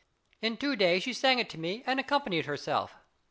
In two days she sang it to me, and accompanied herself.